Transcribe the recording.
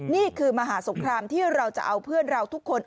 นี่คือมหาสงครามที่เราจะเอาเพื่อนเราทุกคน